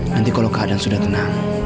nanti kalau keadaan sudah tenang